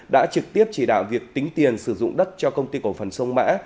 đã trực tiếp chỉ đạo việc tính tiền sử dụng đất cho công ty cổ phần sông mã